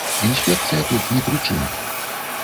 Інспекцыя тут ні пры чым.